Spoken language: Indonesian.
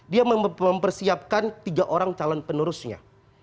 dia mempersiapkan tiga orang calon penerusnya